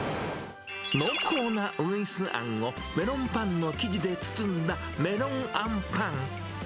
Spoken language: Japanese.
濃厚なうぐいすあんをメロンパンの生地で包んだメロンあんぱん。